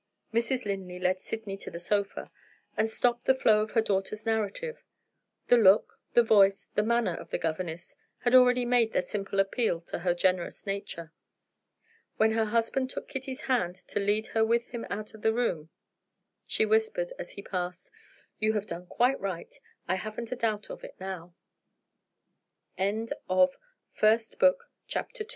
Mrs. Linley led Sydney to the sofa, and stopped the flow of her daughter's narrative. The look, the voice, the manner of the governess had already made their simple appeal to her generous nature. When her husband took Kitty's hand to lead her with him out of the room, she whispered as he passed: "You have done quite right; I haven't a doubt of it now!" Chapter III. Mrs. Presty Changes Her M